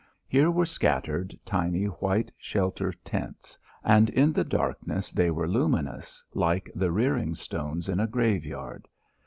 Here were scattered tiny white shelter tents, and in the darkness they were luminous like the rearing stones in a graveyard.